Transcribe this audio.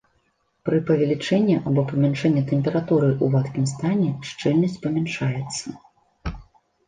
Пры павялічэнні або памяншэнні тэмпературы ў вадкім стане шчыльнасць памяншаецца.